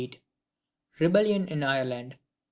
Rebellion in Ireland.